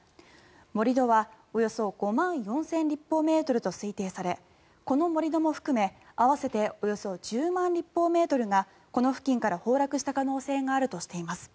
盛り土はおよそ５万４０００立方メートルと推定されこの盛り土も含め、合わせておよそ１０万立方メートルがこの付近から崩落した可能性があるとしています。